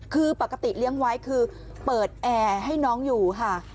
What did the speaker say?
คือปกติเลี้ยงไว้คือเปิดแอร์ให้น้องอยู่ค่ะ